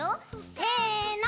せの。